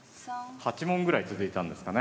８問ぐらい続いたんですかね。